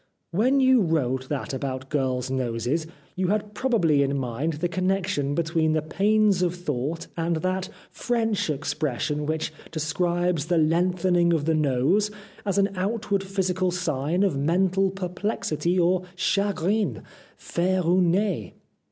When you wrote that about girls' noses you had probably in mind the connection between the pains of thought and that French expression which describes the lengthening of the nose as an outward physical sign of mental perplexity or chagrin, faire un nez.